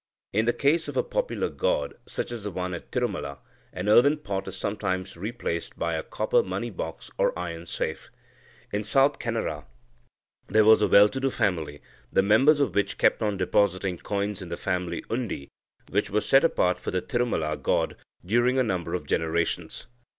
In the case of a popular god, such as the one at Tirumala, an earthen pot is sometimes replaced by a copper money box or iron safe. In South Canara there was a well to do family, the members of which kept on depositing coins in the family undi, which were set apart for the Tirumala god during a number of generations.